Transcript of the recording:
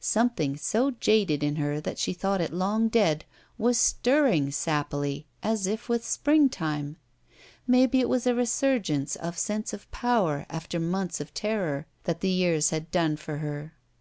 Something so jaded in her that she thought it long dead, was stirring sappily, as if with springtime. Maybe it was a resurgence of sense of pow^ after months of terror that the years had done for her.